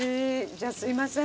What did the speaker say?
じゃあすいません